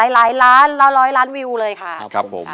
หลายล้านร้อยล้านวิวเลยค่ะ